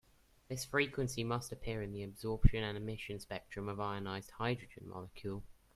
This frequency must appear in the absorption and emission spectrum of ionized hydrogen molecule.